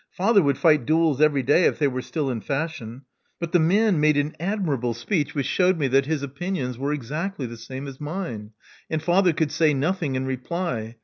Father would fight duels every day if they were still in fashion. But the man made an admirable speech which shewed me that his opinions were exactly the same as mine; and father could say nothing in reply.